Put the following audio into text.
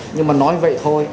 nhưng mà nói vậy thôi